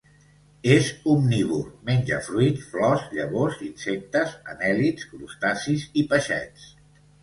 És omnívor: menja fruits, flors, llavors, insectes, anèl·lids, crustacis i peixets.